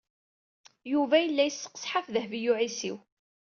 Yuba yella yesseqseḥ ɣef Dehbiya u Ɛisiw.